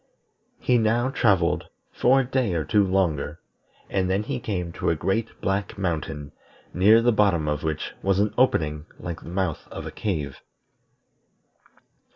He now travelled for a day or two longer, and then he came to a great black mountain, near the bottom of which was an opening like the mouth of a cave.